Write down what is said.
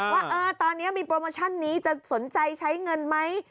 วั๊วเออตอนนี้มีโปรโมชันนี้จะสนใจใช้เงินมั้ย